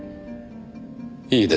いいですね？